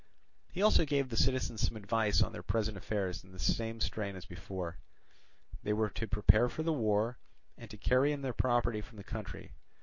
He also gave the citizens some advice on their present affairs in the same strain as before. They were to prepare for the war, and to carry in their property from the country.